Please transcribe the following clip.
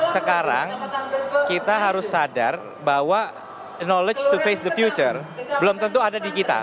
sekarang kita harus sadar bahwa knowledge to face the future belum tentu ada di kita